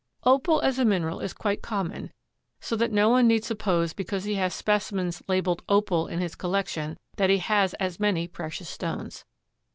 Opal as a mineral is quite common, so that no one need suppose because he has specimens labeled "opal" in his collection that he has as many precious stones.